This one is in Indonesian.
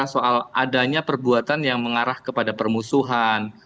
soal adanya perbuatan yang mengarah kepada permusuhan